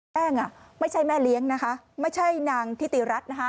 แป้งไม่ใช่แม่เลี้ยงนะคะไม่ใช่นางทิติรัฐนะคะ